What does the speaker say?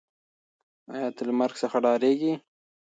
آیا ته له مرګ څخه ډارېږې؟